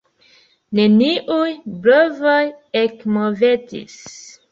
Neniuj brovoj ekmovetis.